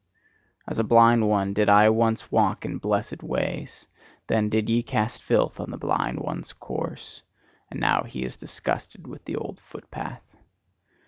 As a blind one did I once walk in blessed ways: then did ye cast filth on the blind one's course: and now is he disgusted with the old footpath.